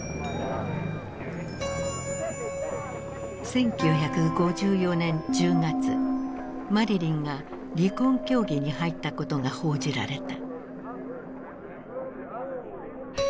１９５４年１０月マリリンが離婚協議に入ったことが報じられた。